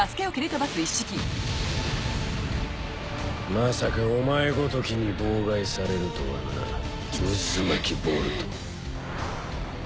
まさかお前ごときに妨害されるとはなうずまきボルト。